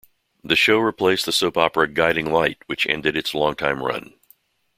The show replaced the soap opera "Guiding Light", which ended its long-time run.